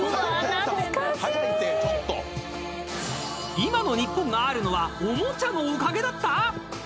今の日本があるのはおもちゃのおかげだった？